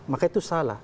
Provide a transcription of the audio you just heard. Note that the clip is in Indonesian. maka itu salah